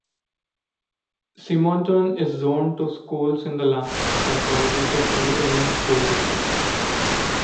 Simonton is zoned to schools in the Lamar Consolidated Independent School District.